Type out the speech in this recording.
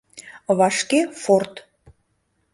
— Вашке форт!